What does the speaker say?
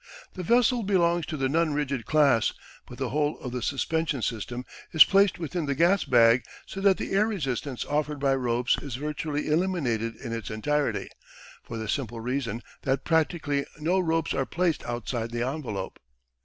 The vessel belongs to the non rigid class, but the whole of the suspension system is placed within the gas bag, so that the air resistance offered by ropes is virtually eliminated in its entirety, for the simple reason that practically no ropes are placed outside the envelope.